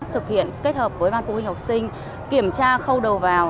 thực hiện kết hợp với ban phụ huynh học sinh kiểm tra khâu đầu vào